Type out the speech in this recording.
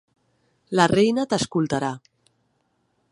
La reina t'escoltarà.